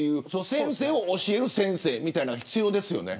先生を教える先生みたいなの必要ですよね。